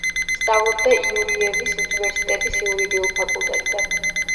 სწავლობდა იურიევის უნივერსიტეტის იურიდიულ ფაკულტეტზე.